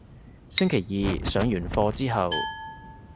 星期二上完課之後